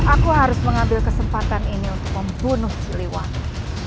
aku harus mengambil kesempatan ini untuk membunuh ciliwang